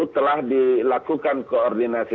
sudah dilakukan koordinasi